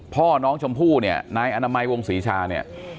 พ่อน้องชมพู่เนี่ยนายอนามัยวงศรีชาเนี่ย